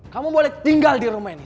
kamu boleh tinggal di rumah ini